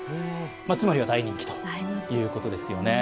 つまりは大人気ということですよね。